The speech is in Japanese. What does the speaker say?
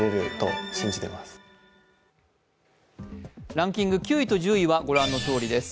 ランキング９位と１０位はご覧のとおりです。